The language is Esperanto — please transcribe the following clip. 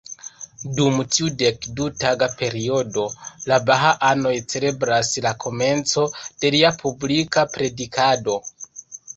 Dum tiu dekdu-taga periodo, la baha-anoj celebras la komenco de lia publika predikado.